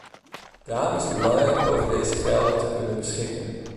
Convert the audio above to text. Daarom is het belangrijk over deze gelden te kunnen beschikken.